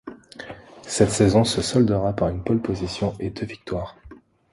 Cette saison se soldera par une pole position et deux victoires.